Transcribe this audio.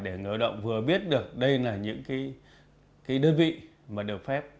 để người lao động vừa biết được đây là những đơn vị mà được phép